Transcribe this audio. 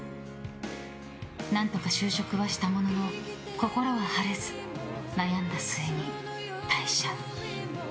何とか就職はしたものの心は晴れず、悩んだ末に退社。